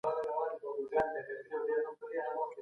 یووالی غواړو.